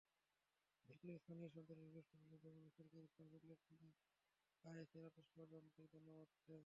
দ্বিতীয়ত, স্থানীয় সন্ত্রাসী গোষ্ঠীগুলো দমনে সরকারের সাফল্যের ফলে আইএসের আদর্শ অজান্তেই দানা বাঁধছে।